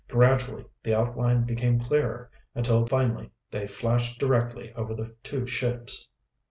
Gradually the outline became clearer until finally they flashed directly over the two ships.